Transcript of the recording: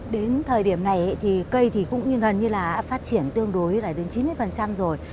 đến thời điểm này thì cây thì cũng gần như là đã phát triển tương đối là đến chín mươi rồi